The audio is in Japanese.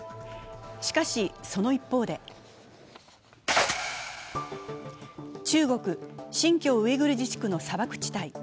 しかし、その一方で中国・新疆ウイグル自治区の砂漠地帯。